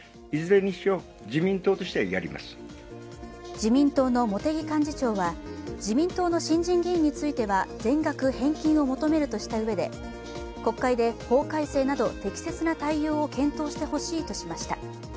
自民党の茂木幹事長は自民党の新人議員については全額返金を求めるとしたうえで国会で法改正など適切な対応を検討してほしいとしました。